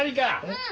うん！